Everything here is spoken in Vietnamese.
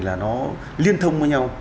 là nó liên thông với nhau